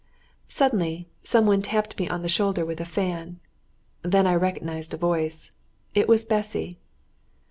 Suddenly some one tapped me on the shoulder with a fan, then I recognised a voice; it was Bessy.